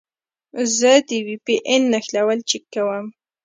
زه د وي پي این نښلون چک کوم.